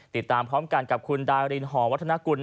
ติดตามพร้อมกันกับคุณดารินหอวัฒนกุล